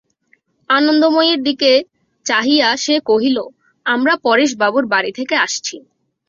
আনন্দময়ীর দিকে চাহিয়া সে কহিল, আমরা পরেশবাবুর বাড়ি থেকে আসছি।